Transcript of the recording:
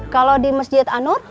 kalau di masjid anur